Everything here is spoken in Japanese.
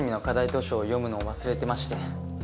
図書を読むのを忘れてまして。